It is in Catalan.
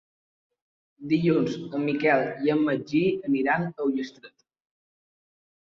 Dilluns en Miquel i en Magí aniran a Ullastret.